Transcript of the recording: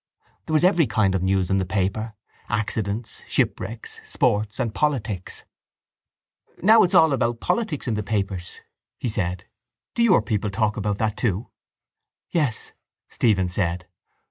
There was every kind of news in the paper: accidents, shipwrecks, sports and politics. —Now it is all about politics in the papers, he said. Do your people talk about that too? —Yes, Stephen said.